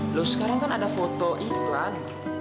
loh sekarang kan ada foto iklan